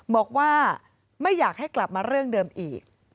บอกว่าไม่อยากให้กลับมาเรื่องเดิมอีก